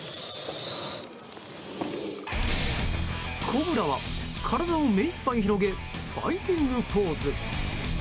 コブラは体をめいっぱい広げファイティングポーズ。